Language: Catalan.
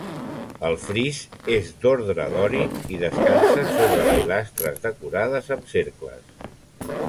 El fris és d'ordre dòric, i descansa sobre pilastres decorades amb cercles.